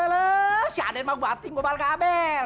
alah si raden mau banting bopal kabel